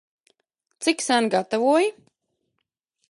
Cik sen gatavoji?